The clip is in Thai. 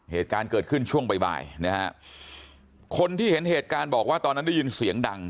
เหตุการณ์เกิดขึ้นช่วงบ่ายบ่ายนะฮะคนที่เห็นเหตุการณ์บอกว่าตอนนั้นได้ยินเสียงดัง